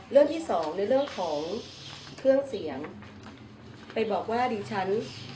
เรื่องที่สองในเรื่องของเครื่องเสียงไปบอกว่าดิฉัน